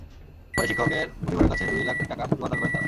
পরে শিক্ষকের পরিবারের কাছে দুই লাখ টাকা মুক্তিপণ দাবি করেন তাঁরা।